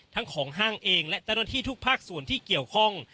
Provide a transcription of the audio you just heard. ทั้งของห้างเองและเจ้าหน้าที่ทุกภาคส่วนที่เกี่ยวข้อง